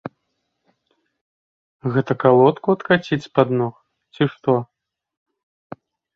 Гэта калодку адкаціць з-пад ног, ці што?